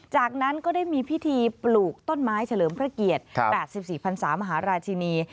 จากนั้นก็ได้มีพิธีปลูกต้นไม้เฉลิมพระเกียรติ๘๔พันศามหาราชินี